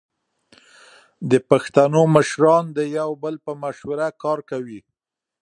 د پښتنو مشران د یو بل په مشوره کار کوي.